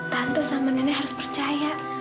tante sama nenek harus percaya